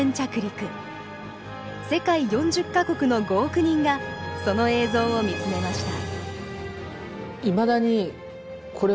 世界４０か国の５億人がその映像を見つめました。